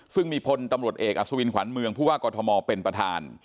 ซึ่งมีพลตำรวจเอกอัศวินขวัญเมืองผู้ว่ากอทมเป็นประธาน